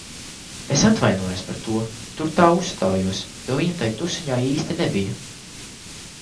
Es atvainojos par to, ka tur tā uzstājos, jo viņa tai tusiņā īsti nebija.